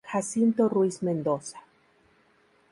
Jacinto Ruiz Mendoza.